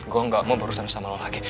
gue gak mau urusan sama lo lagi